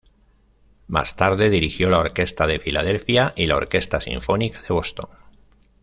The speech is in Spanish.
Más tarde dirigió la Orquesta de Filadelfia y la Orquesta Sinfónica de Boston.